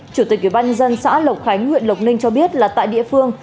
chủ tịch ủy ban nhân dân xã lộc khánh huyện lộc ninh cho biết là tại địa phương